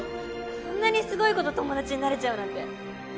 こんなにすごい子と友達になれちゃうなんて。